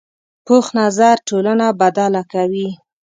پوخ نظر ټولنه بدله کوي